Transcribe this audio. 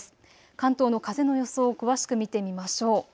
関東の風の予想を詳しく見てみましょう。